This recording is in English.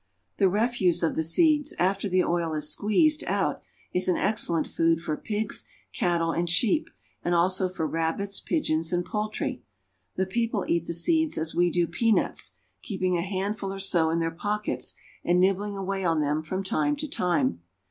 The refuse of the seeds after the oil is squeezed out is an excellent food for pigs, cattle, and sheep, and also for rabbits, pigeons, and poultry. The people eat the seeds as we do peanuts, keeping a handful or so in their pockets, and nibbling away on them from time to time.